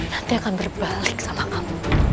nanti akan berbalik sama kamu